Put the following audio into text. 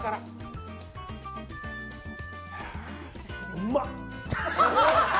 うまっ！